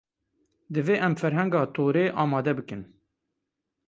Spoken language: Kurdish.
Divê em ferhenga torê amade bikin.